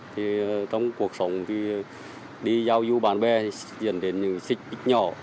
thì trong cuộc sống thì đi giao du bạn bè diễn đến những xích ít nhỏ